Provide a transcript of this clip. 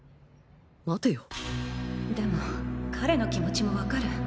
まてよでも彼の気持ちも分かる。